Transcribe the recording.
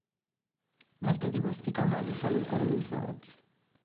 Molti di questi canali sono ancora in uso oggi.